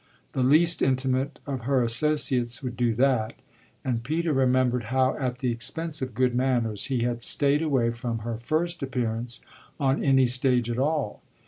The least intimate of her associates would do that, and Peter remembered how, at the expense of good manners, he had stayed away from her first appearance on any stage at all.